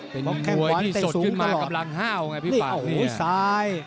เป็นมวยที่สดขึ้นมากำลังห้าวไงพี่ป่าน